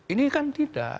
ini kan tidak